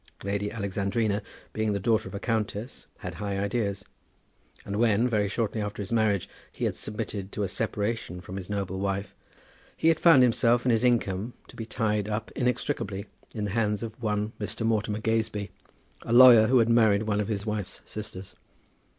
Lady Alexandrina, being the daughter of a countess, had high ideas; and when, very shortly after his marriage, he had submitted to a separation from his noble wife, he had found himself and his income to be tied up inextricably in the hands of one Mr. Mortimer Gazebee, a lawyer who had married one of his wife's sisters.